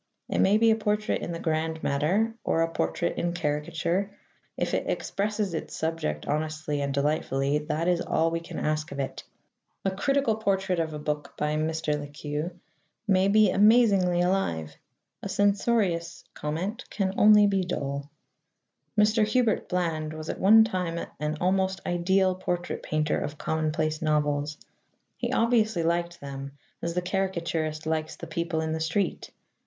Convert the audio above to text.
It may be a portrait in the grand matter, or a portrait in caricature: if it expresses its subject honestly and delightfully, that is all we can ask of it. A critical portrait of a book by Mr. Le Queux may be amazingly alive: a censorious comment can only be dull. Mr. Hubert Bland was at one time an almost ideal portrait painter of commonplace novels. He obviously liked them, as the caricaturist likes the people in the street.